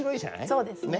そうですね。